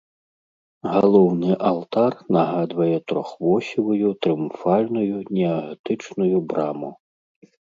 Галоўны алтар нагадвае трохвосевую трыумфальную неагатычную браму.